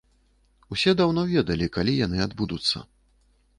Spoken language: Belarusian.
Усе даўно ведалі, калі яны адбудуцца.